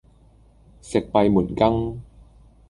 食閉門羹